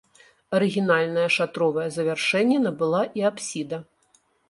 Арыгінальнае шатровае завяршэнне набыла і апсіда.